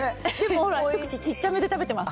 ほら、一口小っちゃく食べてます。